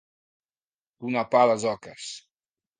Donar pa a les oques.